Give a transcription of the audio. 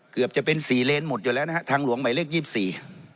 เกือบจะเป็นสี่เลนหมดอยู่แล้วนะฮะทางหลวงหมายเลขยี่สิบสี่